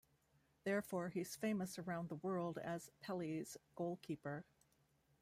Therefore, he's famous around the world as Pele's goalkeeper.